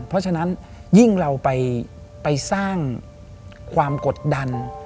เพราะฉะนั้นยิ่งเราไปสร้างความกดดัน